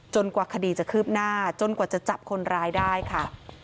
กว่าคดีจะคืบหน้าจนกว่าจะจับคนร้ายได้ค่ะ